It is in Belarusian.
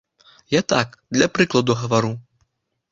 Я так, для прыкладу гавару.